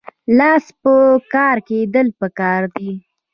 لاس په کار کیدل پکار دي